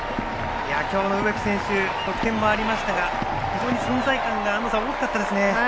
今日の植木選手得点もありましたが非常に存在感が大きかったですね。